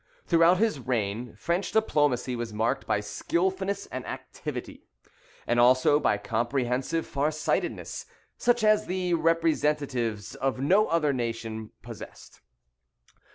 Throughout his reign, French diplomacy was marked by skilfulness and activity, and also by comprehensive far sightedness, such as the representatives of no other nation possessed.